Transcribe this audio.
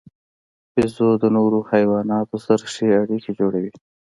بیزو د نورو حیواناتو سره ښې اړیکې جوړوي.